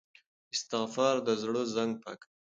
استغفار د زړه زنګ پاکوي.